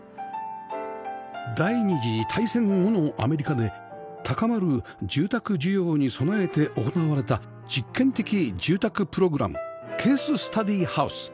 第２次大戦後のアメリカで高まる住宅需要に備えて行われた実験的住宅プログラム「ケーススタディハウス」